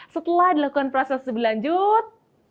setelah dilakukan proses berlanjut